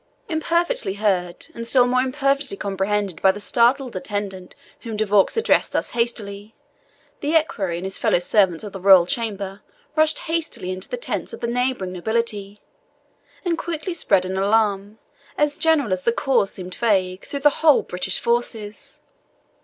Imperfectly heard, and still more imperfectly comprehended, by the startled attendant whom De Vaux addressed thus hastily, the equerry and his fellow servants of the royal chamber rushed hastily into the tents of the neighbouring nobility, and quickly spread an alarm, as general as the cause seemed vague, through the whole British forces.